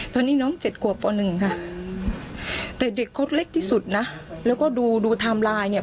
ตอนนี้น้องว่าเจ็ดขวบต่อนึงค่ะแต่เด็กเขาเล็กที่สุดนะแล้วก็ดูไธม์ไลน์เนี่ย